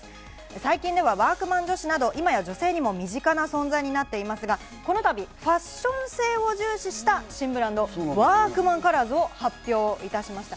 最近ではワークマン女子など今や女性にも身近な存在になっていますが、このたびファッション性を重視した新ブランド・ワークマンカラーズを発表いたしました。